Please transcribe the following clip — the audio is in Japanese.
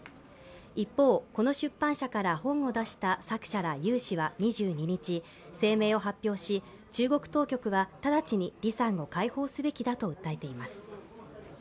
一方、この出版社から本を出した作者ら有志は２２日、声明を発表し中国当局は直ちに李さんを解放すべきだと訴えています。